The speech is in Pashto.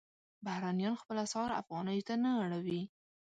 بهرنیان خپل اسعار افغانیو ته نه اړوي.